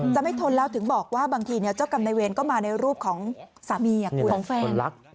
ไม่ทนแล้วถึงบอกว่าบางทีเจ้ากรรมนายเวรก็มาในรูปของสามีคุณของแฟน